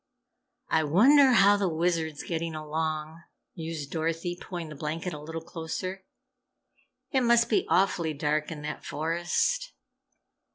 "I wonder how the Wizard's getting along!" mused Dorothy, pulling the blanket a little closer. "It must be awfully dark in that forest."